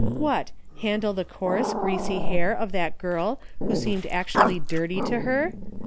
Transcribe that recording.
What, handle the coarse greasy hair of that girl who seemed actually dirty to hey